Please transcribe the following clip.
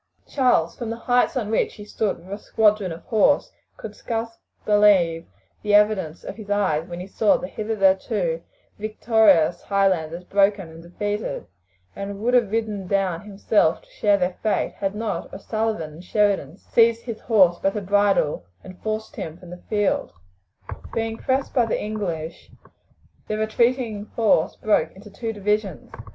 Charles, from the heights on which he stood with a squadron of horse, could scarce believe the evidence of his eyes when he saw the hitherto victorious Highlanders broken and defeated, and would have ridden down himself to share their fate had not O'Sullivan and Sheridan seized his horse by the bridle and forced him from the field. Being pressed by the English, the retreating force broke into two divisions.